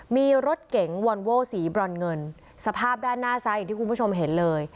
มีรถเก๋งวอนโว้สีบรอนเงินสภาพด้านหน้าซ้ายอย่างที่คุณผู้ชมเห็นเลย